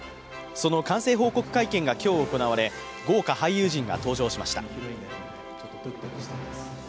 その完成報告会見が今日行われ、豪快俳優陣が登場しました。